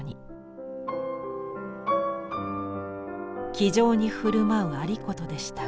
気丈に振る舞う有功でしたが。